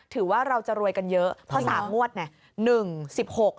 ถือว่าเราจะรวยกันเยอะเพราะ๓งวดเนี่ย